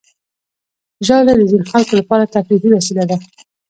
ژاوله د ځینو خلکو لپاره تفریحي وسیله ده.